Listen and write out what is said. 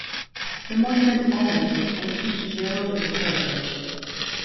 The Monument honors this ancient geological heritage.